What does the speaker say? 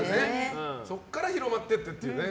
そこから広まってっていうね。